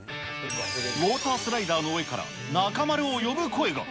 ウォータースライダーの上から中丸を呼ぶ声が。